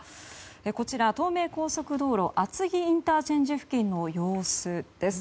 こちら、東名高速道路厚木ＩＣ付近の様子です。